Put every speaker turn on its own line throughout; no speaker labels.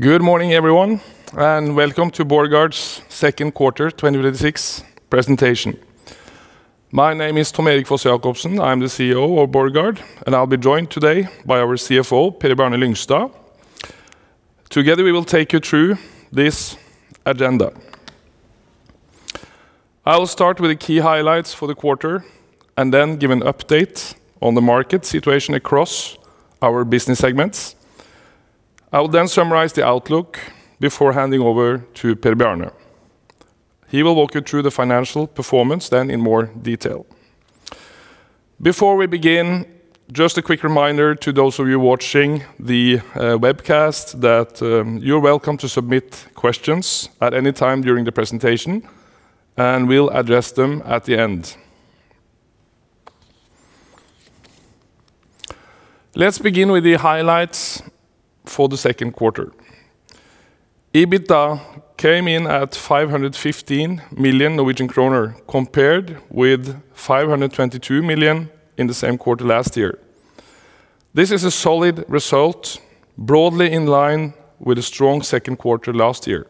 Good morning, everyone, and welcome to Borregaard's second quarter 2026 presentation. My name is Tom Erik Foss-Jacobsen. I'm the CEO of Borregaard, and I'll be joined today by our CFO, Per Bjarne Lyngstad. Together, we will take you through this agenda. I will start with the key highlights for the quarter and then give an update on the market situation across our business segments. I will then summarize the outlook before handing over to Per Bjarne. He will walk you through the financial performance then in more detail. Before we begin, just a quick reminder to those of you watching the webcast that you're welcome to submit questions at any time during the presentation, and we'll address them at the end. Let's begin with the highlights for the second quarter. EBITDA came in at 515 million Norwegian kroner, compared with 522 million in the same quarter last year. This is a solid result, broadly in line with the strong second quarter last year,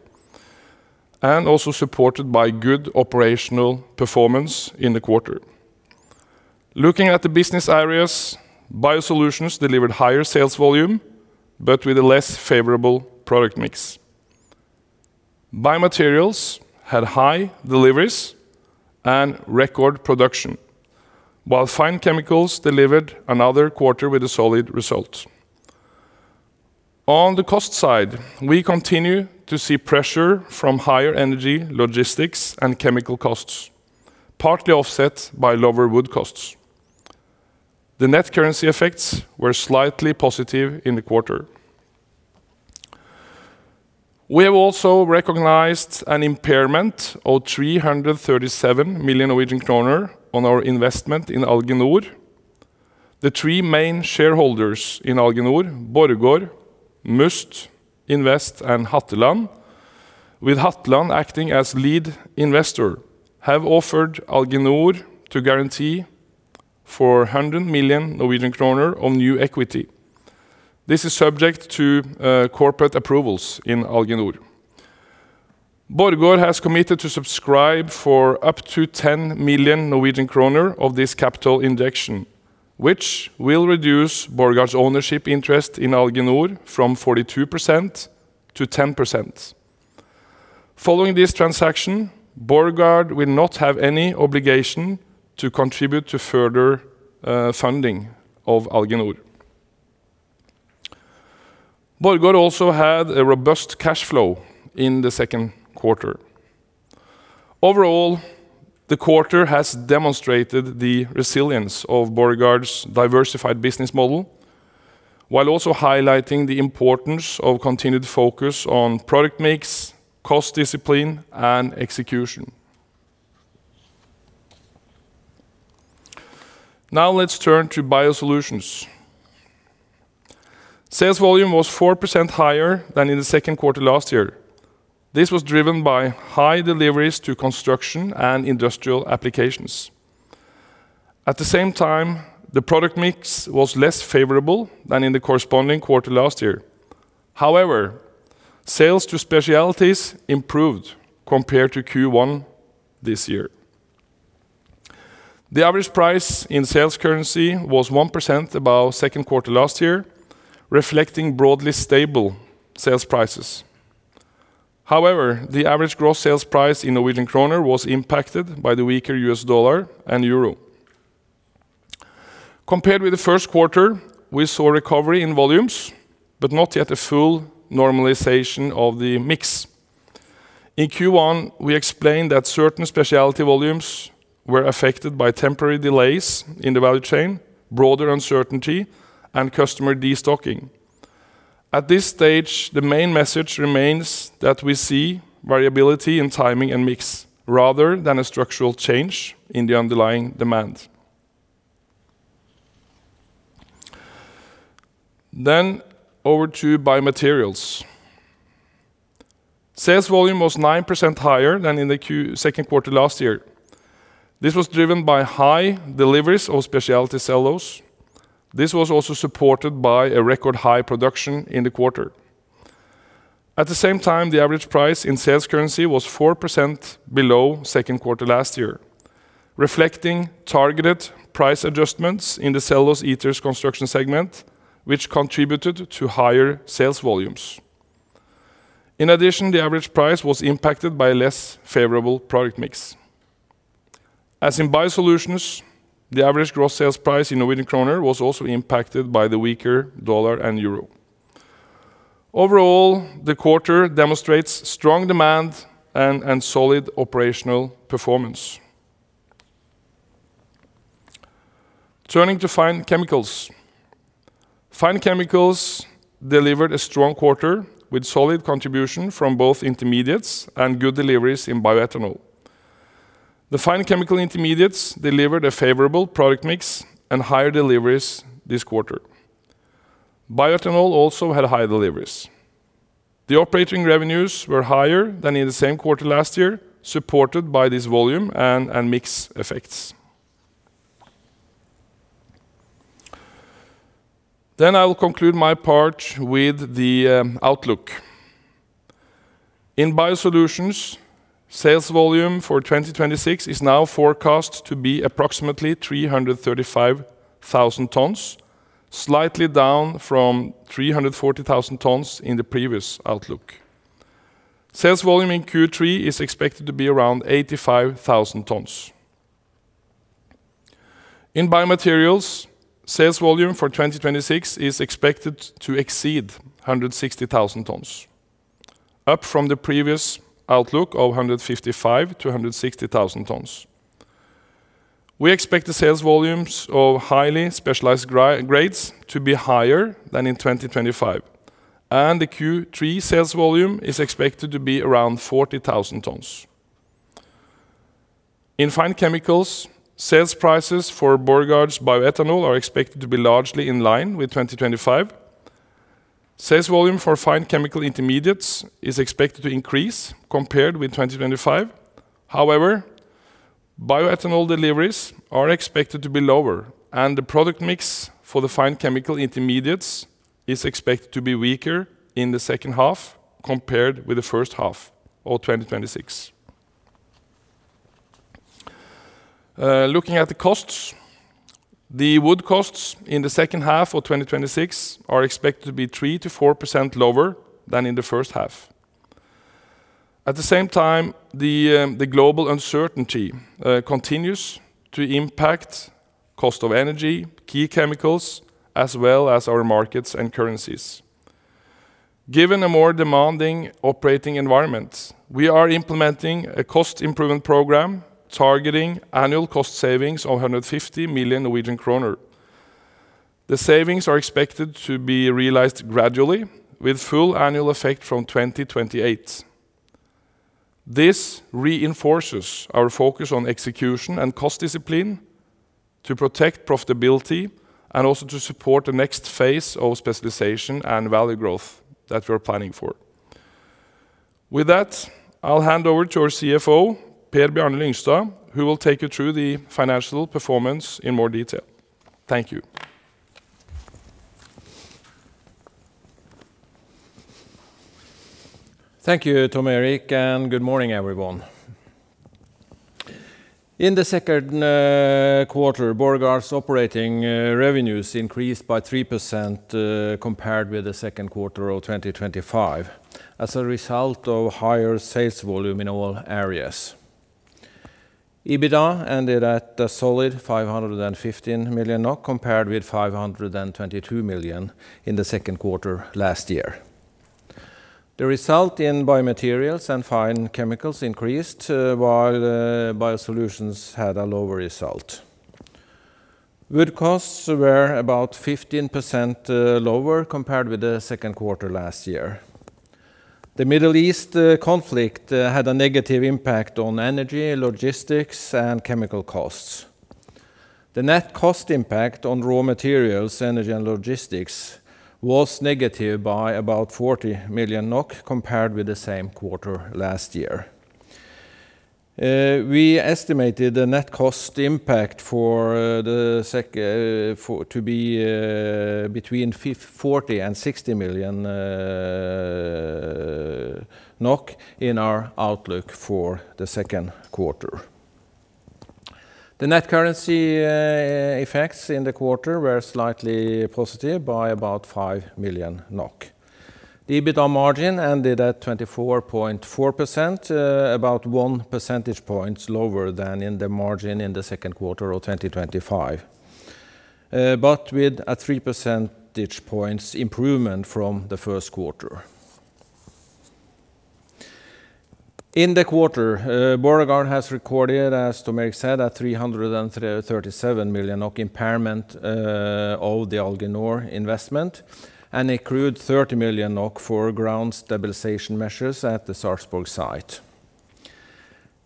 and also supported by good operational performance in the quarter. Looking at the business areas, BioSolutions delivered higher sales volume, but with a less favorable product mix. BioMaterials had high deliveries and record production, while Fine Chemicals delivered another quarter with a solid result. On the cost side, we continue to see pressure from higher energy, logistics, and chemical costs, partly offset by lower wood costs. The net currency effects were slightly positive in the quarter. We have also recognized an impairment of 337 million Norwegian kroner on our investment in Alginor. The three main shareholders in Alginor, Borregaard, Must Invest, and Hatteland, with Hatteland acting as lead investor, have offered Alginor to guarantee 100 million Norwegian kroner on new equity. This is subject to corporate approvals in Alginor. Borregaard has committed to subscribe for up to 10 million Norwegian kroner of this capital injection, which will reduce Borregaard's ownership interest in Alginor from 42% to 10%. Following this transaction, Borregaard will not have any obligation to contribute to further funding of Alginor. Borregaard also had a robust cash flow in the second quarter. Overall, the quarter has demonstrated the resilience of Borregaard's diversified business model, while also highlighting the importance of continued focus on product mix, cost discipline, and execution. Now let's turn to BioSolutions. Sales volume was 4% higher than in the second quarter last year. This was driven by high deliveries to construction and industrial applications. At the same time, the product mix was less favorable than in the corresponding quarter last year. However, sales to specialties improved compared to Q1 this year. The average price in sales currency was 1% above second quarter last year, reflecting broadly stable sales prices. However, the average gross sales price in Norwegian kroner was impacted by the weaker U.S. Dollar and Euro. Compared with the first quarter, we saw recovery in volumes, but not yet a full normalization of the mix. In Q1, we explained that certain specialty volumes were affected by temporary delays in the value chain, broader uncertainty, and customer destocking. At this stage, the main message remains that we see variability in timing and mix rather than a structural change in the underlying demand. Over to BioMaterials. Sales volume was 9% higher than in the second quarter last year. This was driven by high deliveries of specialty cellulose. This was also supported by a record high production in the quarter. At the same time, the average price in sales currency was 4% below second quarter last year, reflecting targeted price adjustments in the cellulose ethers construction segment, which contributed to higher sales volumes. In addition, the average price was impacted by a less favorable product mix. As in BioSolutions, the average gross sales price in Norwegian kroner was also impacted by the weaker U.S. Dollar and Euro. Overall, the quarter demonstrates strong demand and solid operational performance. Turning to Fine Chemicals. Fine Chemicals delivered a strong quarter with solid contribution from both intermediates and good deliveries in bioethanol. The fine chemical intermediates delivered a favorable product mix and higher deliveries this quarter. Bioethanol also had high deliveries. The operating revenues were higher than in the same quarter last year, supported by this volume and mix effects. I will conclude my part with the outlook. In BioSolutions, sales volume for 2026 is now forecast to be approximately 335,000 tons, slightly down from 340,000 tons in the previous outlook. Sales volume in Q3 is expected to be around 85,000 tons. In BioMaterials, sales volume for 2026 is expected to exceed 160,000 tons, up from the previous outlook of 155,000-160,000 tons. We expect the sales volumes of highly specialized grades to be higher than in 2025, and the Q3 sales volume is expected to be around 40,000 tons. In Fine Chemicals, sales prices for Borregaard's bioethanol are expected to be largely in line with 2025. Sales volume for fine chemical intermediates is expected to increase compared with 2025. Bioethanol deliveries are expected to be lower, and the product mix for the fine chemical intermediates is expected to be weaker in the second half compared with the first half of 2026. Looking at the costs, the wood costs in the second half of 2026 are expected to be 3%-4% lower than in the first half. At the same time, the global uncertainty continues to impact cost of energy, key chemicals, as well as our markets and currencies. Given a more demanding operating environment, we are implementing a cost improvement program targeting annual cost savings of 150 million Norwegian kroner. The savings are expected to be realized gradually with full annual effect from 2028. This reinforces our focus on execution and cost discipline to protect profitability and also to support the next phase of specialization and value growth that we're planning for. With that, I'll hand over to our CFO, Per Bjarne Lyngstad, who will take you through the financial performance in more detail. Thank you.
Thank you, Tom Erik, and good morning, everyone. In the second quarter, Borregaard's operating revenues increased by 3% compared with the second quarter of 2025 as a result of higher sales volume in all areas. EBITDA ended at a solid 515 million NOK, compared with 522 million in the second quarter last year. The result in BioMaterials and Fine Chemicals increased, while BioSolutions had a lower result. Wood costs were about 15% lower compared with the second quarter last year. The Middle East conflict had a negative impact on energy, logistics, and chemical costs. The net cost impact on raw materials, energy, and logistics was negative by about 40 million NOK compared with the same quarter last year. We estimated the net cost impact to be between 40 million and 60 million in our outlook for the second quarter. The net currency effects in the quarter were slightly positive by about 5 million NOK. The EBITDA margin ended at 24.4%, about one percentage point lower than in the margin in the second quarter of 2025, but with a 3 percentage points improvement from the first quarter. In the quarter, Borregaard has recorded, as Tom Erik said, a 337 million NOK impairment of the Alginor investment and accrued 30 million NOK for ground stabilization measures at the Sarpsborg site.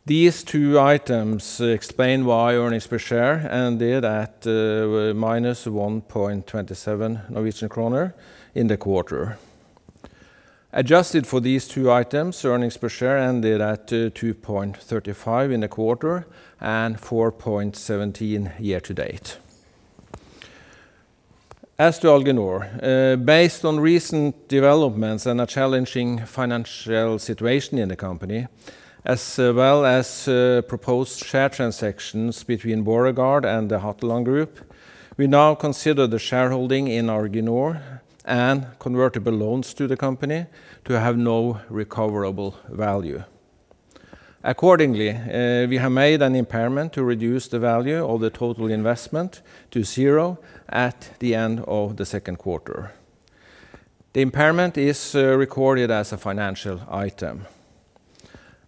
These two items explain why earnings per share ended at 1.27 Norwegian kroner in the quarter. Adjusted for these two items, earnings per share ended at 2.35 in the quarter and 4.17 year to date. As to Alginor, based on recent developments and a challenging financial situation in the company, as well as proposed share transactions between Borregaard and the Hatteland Group, we now consider the shareholding in Alginor and convertible loans to the company to have no recoverable value. Accordingly, we have made an impairment to reduce the value of the total investment to zero at the end of the second quarter. The impairment is recorded as a financial item.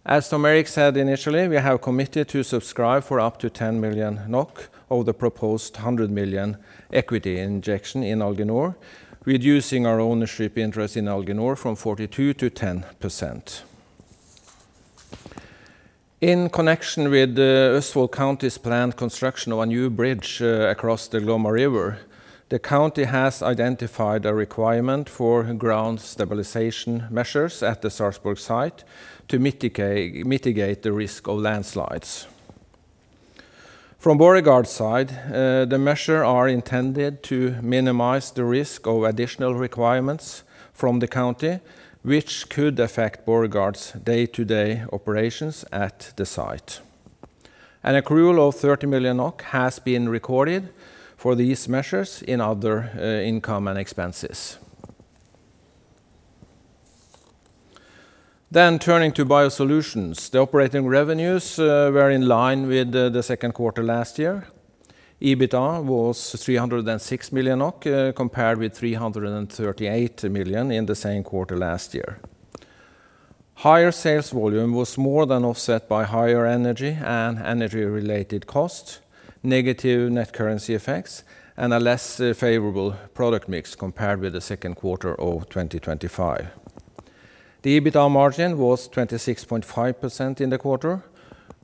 As Tom Erik said initially, we have committed to subscribe for up to 10 million NOK of the proposed 100 million equity injection in Alginor, reducing our ownership interest in Alginor from 42% to 10%. In connection with the Østfold County's planned construction of a new bridge across the Glomma River, the county has identified a requirement for ground stabilization measures at the Sarpsborg site to mitigate the risk of landslides. From Borregaard's side, the measure are intended to minimize the risk of additional requirements from the county, which could affect Borregaard's day-to-day operations at the site. An accrual of 30 million NOK has been recorded for these measures in other income and expenses. Turning to BioSolutions. The operating revenues were in line with the second quarter last year. EBITDA was 306 million NOK, compared with 338 million in the same quarter last year. Higher sales volume was more than offset by higher energy and energy-related costs, negative net currency effects, and a less favorable product mix compared with the second quarter of 2025. The EBITDA margin was 26.5% in the quarter,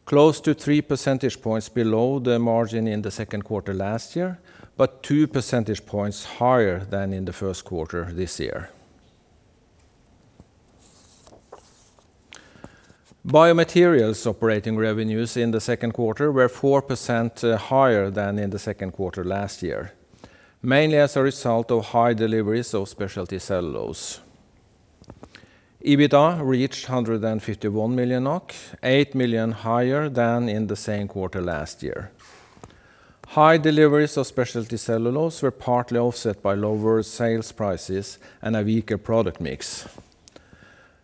close to three percentage points below the margin in the second quarter last year, but two percentage points higher than in the first quarter this year. BioMaterials operating revenues in the second quarter were 4% higher than in the second quarter last year, mainly as a result of high deliveries of specialty cellulose. EBITDA reached 151 million NOK, 8 million higher than in the same quarter last year. High deliveries of specialty cellulose were partly offset by lower sales prices and a weaker product mix.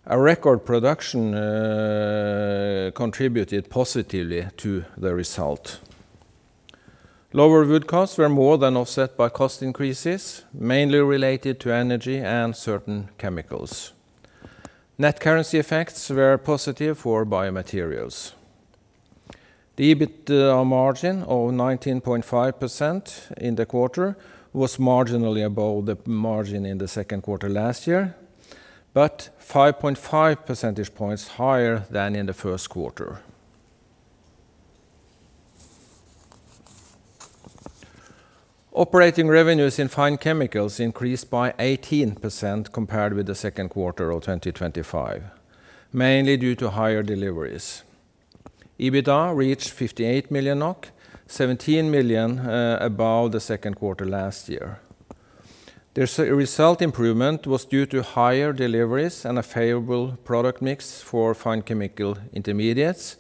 A record production contributed positively to the result. Lower wood costs were more than offset by cost increases, mainly related to energy and certain chemicals. Net currency effects were positive for BioMaterials. The EBITDA margin of 19.5% in the quarter was marginally above the margin in the second quarter last year, but 5.5 percentage points higher than in the first quarter. Operating revenues in Fine Chemicals increased by 18% compared with the second quarter of 2025, mainly due to higher deliveries. EBITDA reached 58 million NOK, 17 million above the second quarter last year. The result improvement was due to higher deliveries and a favorable product mix for fine chemical intermediates,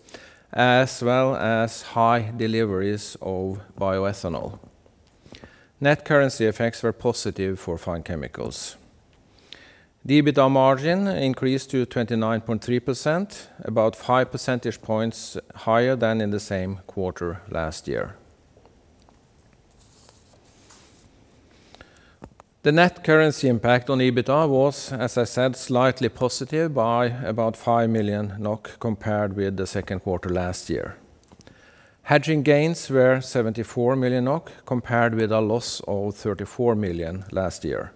as well as high deliveries of bioethanol. Net currency effects were positive for Fine Chemicals. The EBITDA margin increased to 29.3%, about five percentage points higher than in the same quarter last year. The net currency impact on EBITDA was, as I said, slightly positive by about 5 million NOK compared with the second quarter last year. Hedging gains were 74 million NOK, compared with a loss of 34 million last year.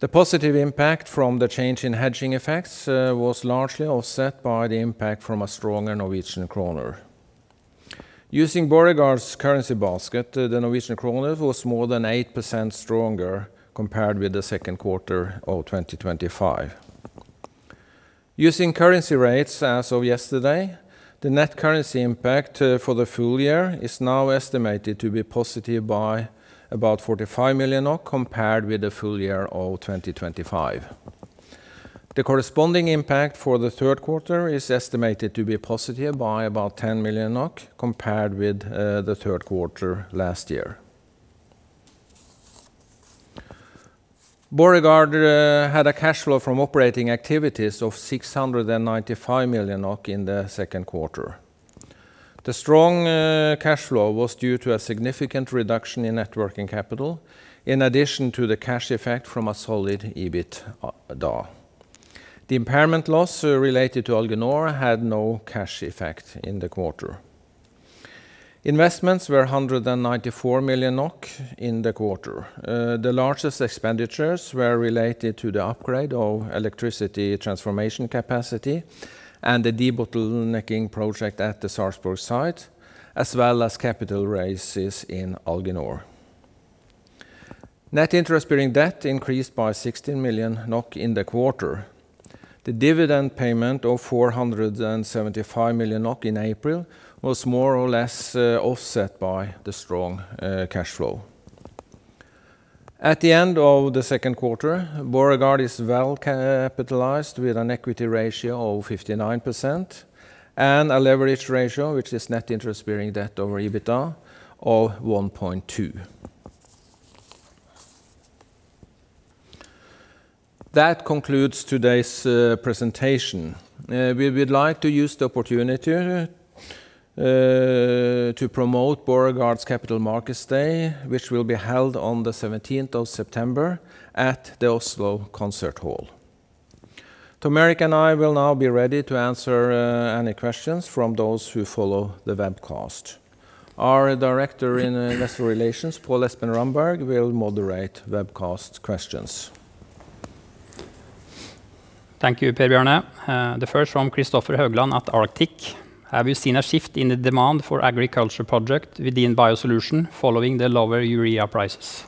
The positive impact from the change in hedging effects was largely offset by the impact from a stronger Norwegian kroner. Using Borregaard's currency basket, the Norwegian kroner was more than 8% stronger compared with the second quarter of 2025. Using currency rates as of yesterday, the net currency impact for the full year is now estimated to be positive by about 45 million NOK compared with the full year of 2025. The corresponding impact for the third quarter is estimated to be positive by about 10 million NOK compared with the third quarter last year. Borregaard had a cash flow from operating activities of 695 million NOK in the second quarter. The strong cash flow was due to a significant reduction in net working capital, in addition to the cash effect from a solid EBITDA. The impairment loss related to Alginor had no cash effect in the quarter. Investments were 194 million NOK in the quarter. The largest expenditures were related to the upgrade of electricity transformation capacity and the debottlenecking project at the Sarpsborg site, as well as capital raises in Alginor. Net interest-bearing debt increased by 16 million NOK in the quarter. The dividend payment of 475 million NOK in April was more or less offset by the strong cash flow. At the end of the second quarter, Borregaard is well capitalized with an equity ratio of 59% and a leverage ratio, which is net interest-bearing debt over EBITDA, of 1.2. That concludes today's presentation. We would like to use the opportunity to promote Borregaard's Capital Markets Day, which will be held on the 17th of September at the Oslo Concert Hall. Tom Erik and I will now be ready to answer any questions from those who follow the webcast. Our Director Investor Relations, Pål Espen Ramberg, will moderate webcast questions.
Thank you, Per Bjarne. The first from Kristoffer Haugland at Arctic. "Have you seen a shift in the demand for agriculture project within BioSolutions following the lower urea prices?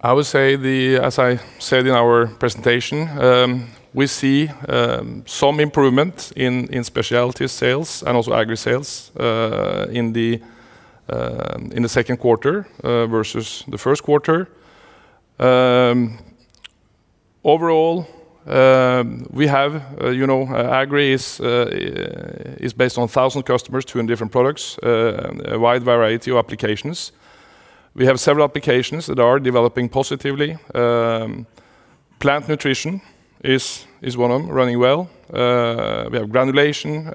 I would say, as I said in our presentation, we see some improvement in speciality sales and also agri sales in the second quarter versus the first quarter. Overall, agri is based on 1,000 customers, 200 different products, a wide variety of applications. We have several applications that are developing positively. Plant nutrition is one of them, running well. We have granulation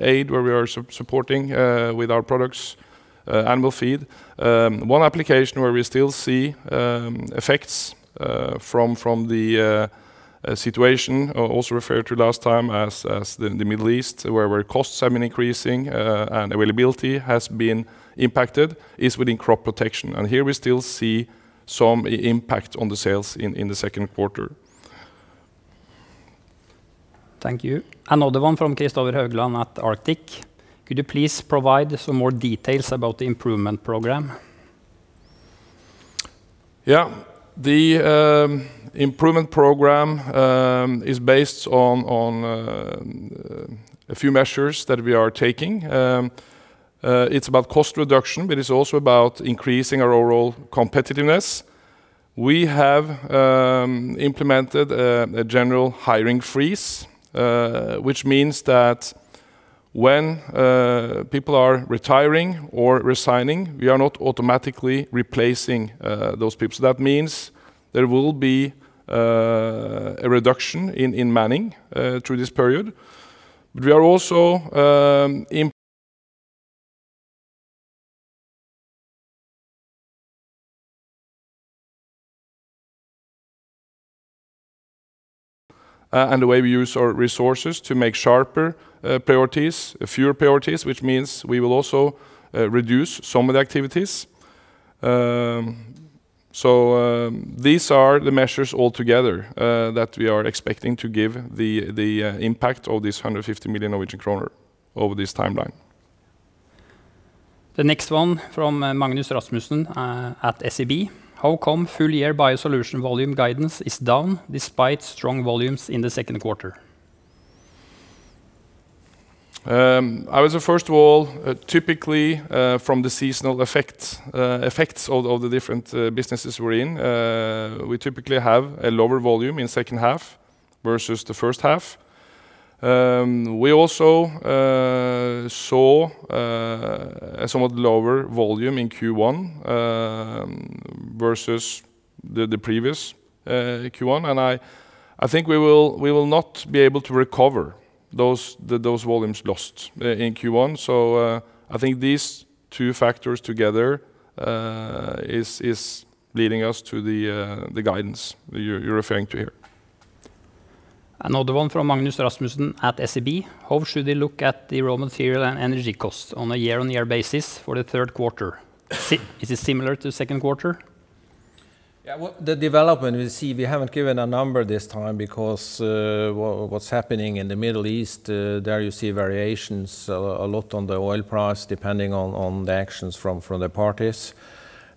aid, where we are supporting with our products, animal feed. One application where we still see effects from the situation also referred to last time as the Middle East, where costs have been increasing and availability has been impacted, is within crop protection. Here we still see some impact on the sales in the second quarter.
Thank you. Another one from Kristoffer Haugland at Arctic. Could you please provide some more details about the improvement program?
Yeah. The improvement program is based on a few measures that we are taking. It is about cost reduction, it is also about increasing our overall competitiveness. We have implemented a general hiring freeze, which means that when people are retiring or resigning, we are not automatically replacing those people. That means there will be a reduction in manning through this period. We are also the way we use our resources to make sharper priorities, fewer priorities, which means we will also reduce some of the activities. These are the measures altogether that we are expecting to give the impact of this 150 million Norwegian kroner over this timeline.
The next one from Magnus Rasmussen at SEB. How come full year BioSolutions volume guidance is down despite strong volumes in the second quarter?
I would say, first of all, typically from the seasonal effects of the different businesses we're in, we typically have a lower volume in second half versus the first half. We also saw a somewhat lower volume in Q1 versus the previous Q1, and I think we will not be able to recover those volumes lost in Q1. I think these two factors together is leading us to the guidance that you're referring to here.
Another one from Magnus Rasmussen at SEB. How should they look at the raw material and energy cost on a year-on-year basis for the third quarter? Is it similar to the second quarter?
Well, the development we see, we haven't given a number this time because what's happening in the Middle East, there you see variations a lot on the oil price depending on the actions from the parties.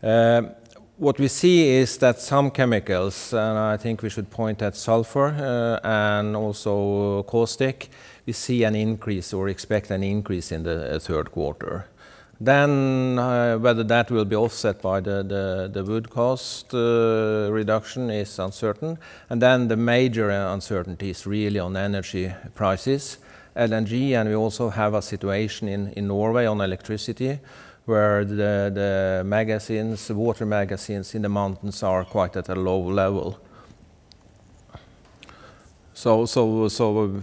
What we see is that some chemicals, and I think we should point at sulfur and also caustic, we see an increase or expect an increase in the third quarter. Whether that will be offset by the wood cost reduction is uncertain. The major uncertainty is really on energy prices, LNG, and we also have a situation in Norway on electricity, where the water reservoirs in the mountains are quite at a low level.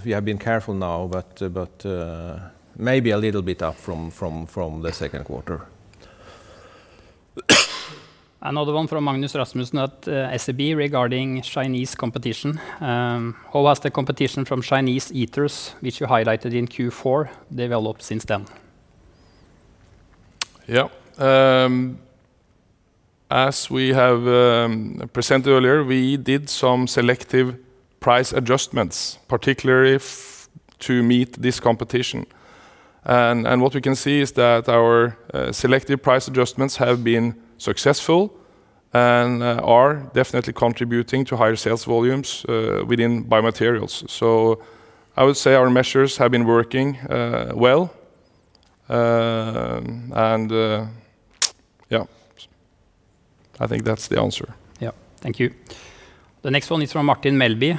We have been careful now, but maybe a little bit up from the second quarter.
Another one from Magnus Rasmussen at SEB regarding Chinese competition. How has the competition from Chinese ethers, which you highlighted in Q4, developed since then?
Yeah. As we have presented earlier, we did some selective price adjustments, particularly to meet this competition. What we can see is that our selective price adjustments have been successful and are definitely contributing to higher sales volumes within BioMaterials. I would say our measures have been working well. Yeah, I think that's the answer.
Yeah. Thank you. The next one is from Martin Melbye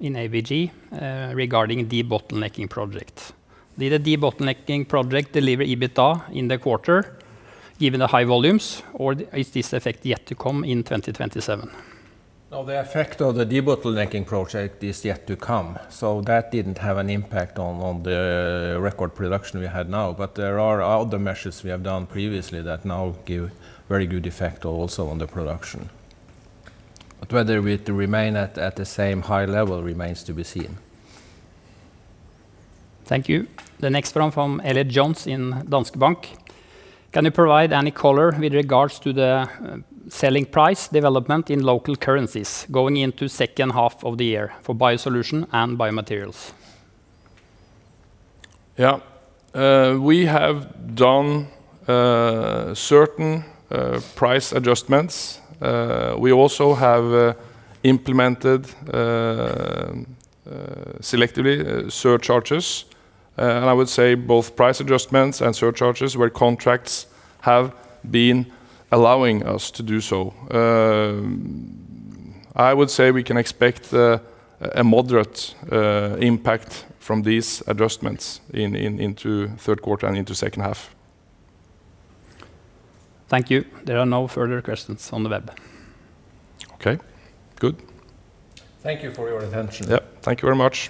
in ABG regarding the debottlenecking project. Did the debottlenecking project deliver EBITDA in the quarter given the high volumes, or is this effect yet to come in 2027?
No, the effect of the debottlenecking project is yet to come. That didn't have an impact on the record production we had now. There are other measures we have done previously that now give very good effect also on the production. Whether it remain at the same high level remains to be seen.
Thank you. The next one from Elliott Jones in Danske Bank. Can you provide any color with regards to the selling price development in local currencies going into second half of the year for BioSolutions and BioMaterials?
Yeah. We have done certain price adjustments. We also have implemented selectively surcharges, and I would say both price adjustments and surcharges where contracts have been allowing us to do so. I would say we can expect a moderate impact from these adjustments into third quarter and into second half.
Thank you. There are no further questions on the web.
Okay. Good.
Thank you for your attention.
Yeah. Thank you very much.